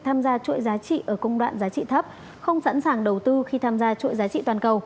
tham gia chuỗi giá trị ở công đoạn giá trị thấp không sẵn sàng đầu tư khi tham gia chuỗi giá trị toàn cầu